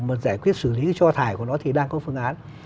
mà giải quyết xử lý cái cho thải của nó thì đang có phương án